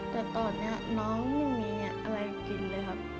แต่ตอนนี้น้องไม่มีอะไรกินเลยครับ